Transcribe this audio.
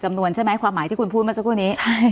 จำนวนใช่ไหมความหมายที่คุณพูดมาช่วงนี้